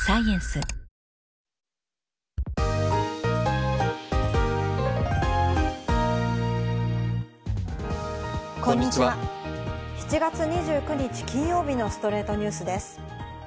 ７月２９日、金曜日の『ストレイトニュース』です。